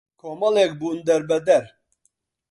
کۆمەڵێک بوون دەربەدەر